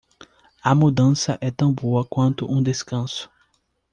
A mudança é tão boa quanto um descanso.